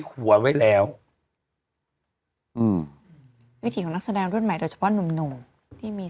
หัวไว้แล้วอืมวิถีของนักแสดงรุ่นใหม่โดยเฉพาะหนุ่มหนุ่มที่มี